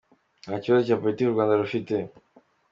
Nta kibazo cya Politiki u Rwanda rufite.